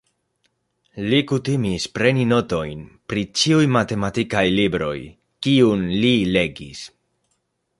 Li kutimis preni notojn pri ĉiuj matematikaj libroj, kiun li legis.